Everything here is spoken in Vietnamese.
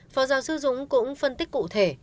phó giáo sư dũng cũng phân tích cụ thể